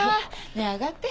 ねえ上がって。